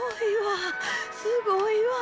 すごいわ。